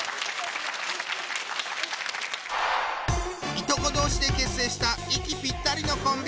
いとこ同士で結成した息ぴったりのコンビ！